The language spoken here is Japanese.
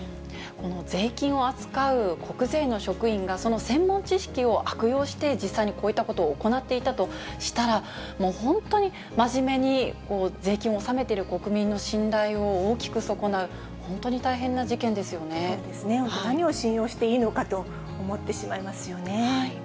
この税金を扱う国税の職員が、その専門知識を悪用して、実際にこういったことを行っていたとしたら、もう本当に、真面目に税金を納めている国民の信頼を大きく損なう、本当に大変そうですね、本当、何を信用していいのかと思ってしまいますよね。